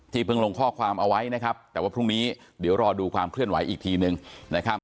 เพิ่งลงข้อความเอาไว้นะครับแต่ว่าพรุ่งนี้เดี๋ยวรอดูความเคลื่อนไหวอีกทีหนึ่งนะครับ